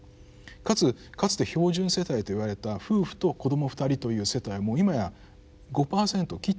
かつかつて標準世帯と言われた夫婦と子ども２人という世帯も今や５％を切ってるわけですね。